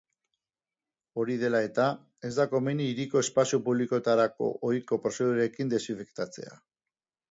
Hori dela eta, ez da komeni hiriko espazio publikoetarako ohiko prozedurekin desinfektatzea.